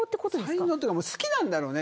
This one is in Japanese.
才能というか好きなんだろうね。